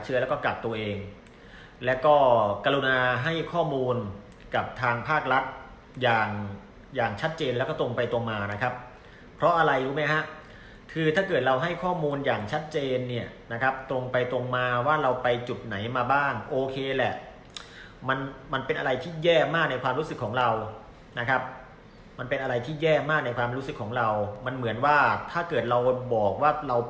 กัดตัวเองแล้วก็กรุณาให้ข้อมูลกับทางภาครัฐอย่างอย่างชัดเจนแล้วก็ตรงไปตรงมานะครับเพราะอะไรรู้ไหมฮะคือถ้าเกิดเราให้ข้อมูลอย่างชัดเจนเนี่ยนะครับตรงไปตรงมาว่าเราไปจุดไหนมาบ้างโอเคแหละมันมันเป็นอะไรที่แย่มากในความรู้สึกของเรานะครับมันเป็นอะไรที่แย่มากในความรู้สึกของเรามันเหมือนว่าถ้าเกิดเราบอกว่าเรา